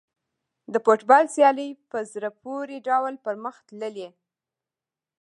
د فوټبال سیالۍ په زړه پورې ډول پرمخ تللې.